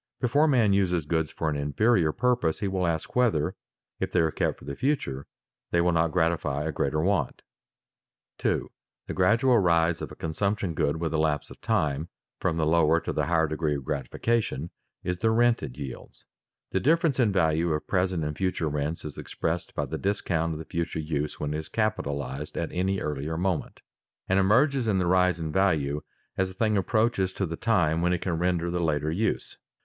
Before man uses goods for an inferior purpose he will ask whether, if they are kept for the future, they will not gratify a greater want. [Sidenote: The less valuable rise in value with the lapse of time] 2. _The gradual rise of a consumption good with the lapse of time from the lower to the higher degree of gratification is the rent it yields._ The difference in value of present and future rents is expressed by the discount of the future use when it is capitalized at any earlier moment, and emerges in the rise in value as the thing approaches to the time when it can render the later use.